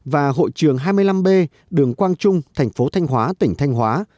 và hội trường hai mươi năm b đường quang trung thành phố thanh hóa tỉnh thanh hóa